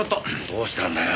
どうしたんだよ？